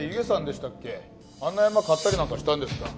あんな山買ったりなんかしたんですか？